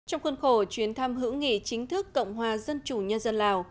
trong khuôn khổ chuyến thăm hữu nghị chính thức cộng hòa dân chủ nhân dân lào